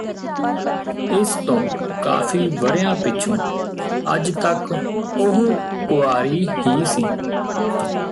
ਇਸ ਤੋਂ ਕਾਫ਼ੀ ਵਰ੍ਹਿਆਂ ਪਿੱਛੋਂ ਅੱਜ ਤੱਕ ਉਹ ਕੁਆਰੀ ਹੀ ਹੈ